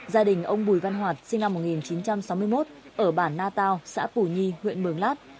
gia đình ông bùi văn hoạt sinh năm một nghìn chín trăm sáu mươi một ở bản na tao xã pù nhi huyện mường lát